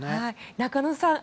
中野さん